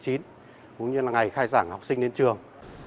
cũng như là ngày khai giảng học sinh đến trường